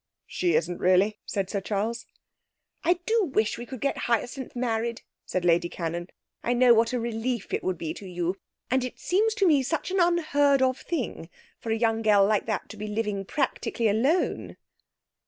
'She isn't really,' said Sir Charles. 'I do wish we could get Hyacinth married,' said Lady Cannon. 'I know what a relief it would be to you, and it seems to me such an unheard of thing for a young girl like that to be living practically alone!'